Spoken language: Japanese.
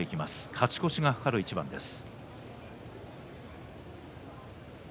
勝ち越しが懸かる一番です。